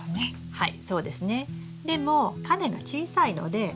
はい。